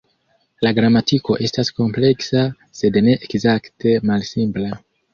La gramatiko estas kompleksa, sed ne ekzakte malsimpla.